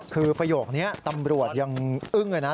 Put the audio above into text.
คือประโยคนี้ตำรวจยังอึ้งเลยนะ